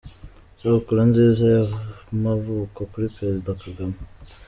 Isabukuru nziza y’amavuko kuri Perezida Kagame.”